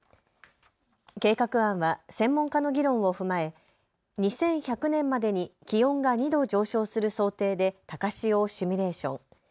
計画案は専門家の議論を踏まえ２１００年までに気温が２度上昇する想定で高潮をシミュレーション。